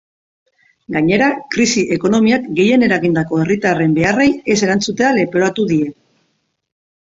Gainera, krisi ekonomiak gehien eragindako herritarren beharrei ez erantzutea leporatu die.